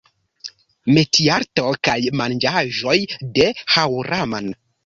Metiarto kaj manĝaĵoj de Haŭraman